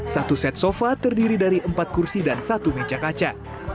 satu set sofa terdiri dari empat kursi dan satu meja kaca